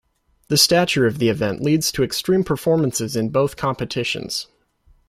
The stature of the event leads to extreme performances in both competitions.